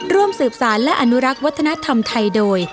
ร่วมสืบสารและอนุรักษ์วัฒนธรรมไทยโดย